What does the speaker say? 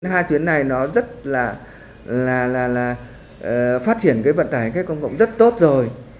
hai tuyến này nó rất là là là là phát triển cái vận tải hành khách công cộng rất tốt rồi